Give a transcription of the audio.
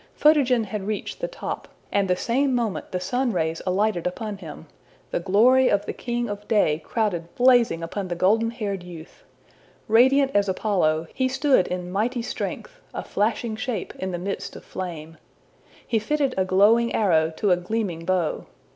Photogen had reached the top, and the same moment the sun rays alighted upon him; the glory of the king of day crowded blazing upon the golden haired youth. Radiant as Apollo, he stood in mighty strength, a flashing shape in the midst of flame. He fitted a glowing arrow to a gleaming bow.